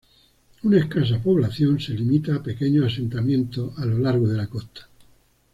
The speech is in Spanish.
Una escasa población se limita a pequeños asentamientos a lo largo de la costa.